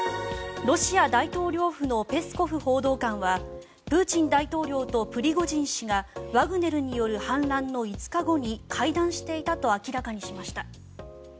ロシア大統領府のペスコフ報道官はプーチン大統領とプリゴジン氏がワグネルによる反乱の５日後に会談していたと明らかにしました。